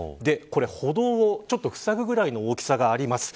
歩道を、ちょっとふさぐぐらいの大きさがあります。